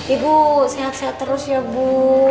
ibu sehat sehat terus ya bu